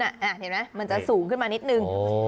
เห็นไหมมันจะสูงขึ้นมานิดนึง